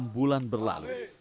enam bulan berlalu